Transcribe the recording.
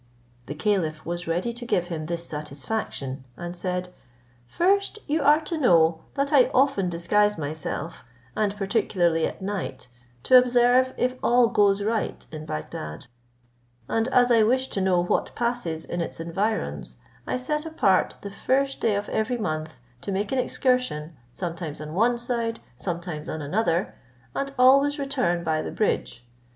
The caliph was ready to give him this satisfaction, and said, "First, you are to know, that I often disguise myself, and particularly at night, to observe if all goes right in Bagdad; and as I wish to know what passes in its environs, I set apart the first day of every month to make an excursion, sometimes on one side, sometimes on another, and always return by the bridge.